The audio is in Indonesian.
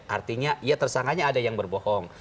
artinya ya tersangkanya ada yang berbohong